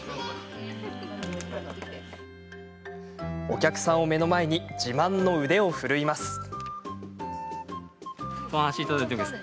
お客さんを目の前に自慢の腕を振るいます。